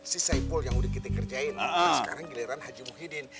si saiful yang udah kita kerjain sekarang giliran haji muhyiddin